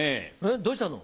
どうしたの？